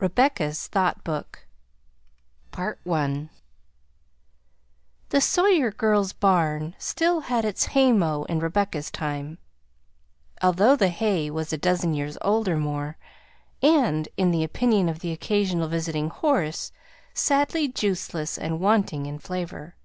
REBECCA'S THOUGHT BOOK I The "Sawyer girls'" barn still had its haymow in Rebecca's time, although the hay was a dozen years old or more, and, in the opinion of the occasional visiting horse, sadly juiceless and wanting in flavor.